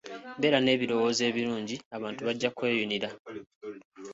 Beera n'ebirowoozo ebirungi abantu bajja kweyunira.